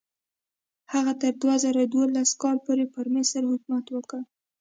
هغه تر دوه زره دولس کال پورې پر مصر حکومت وکړ.